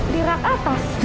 di rak atas